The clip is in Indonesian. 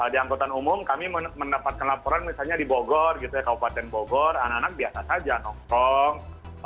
di angkutan umum kami mendapatkan laporan misalnya di bogor gitu ya kabupaten bogor anak anak biasa saja nongkrong